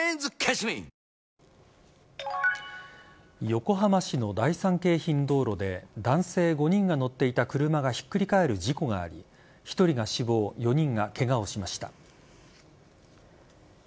横浜市の第三京浜道路で男性５人が乗っていた車がひっくり返る事故があり１人が死亡４人がケガをしました。